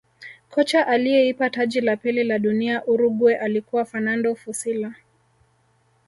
kocha aliyeipa taji la pili la dunia Uruguay alikuwa fernando fussile